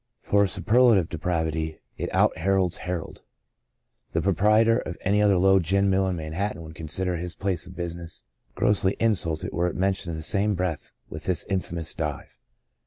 For superlative depravity it out Herods Herod. The proprietor of any other low " gin mill '* in Manhattan would consider his place of business grossly insulted were it mentioned in the same breath with this in famous dive.